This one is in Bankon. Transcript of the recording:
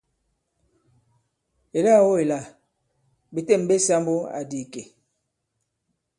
Èlâ-o èla! Ɓè têm ɓe sāmbu àdì ìkè.